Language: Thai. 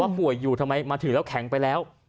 ป่วยอยู่ทำไมมาถือแล้วแข็งไปแล้ว